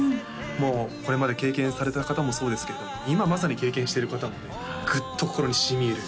もうこれまで経験された方もそうですけど今まさに経験してる方もねグッと心にしみ入る